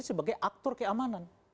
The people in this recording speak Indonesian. sebagai aktor keamanan